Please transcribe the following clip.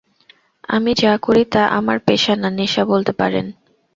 আমি যা করি তা আমার পেশা না-নেশা বলতে পারেন।